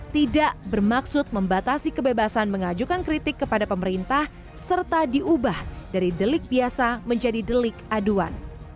tidak bermaksud membatasi kebebasan mengajukan kritik kepada pemerintah serta diubah dari delik biasa menjadi delik aduan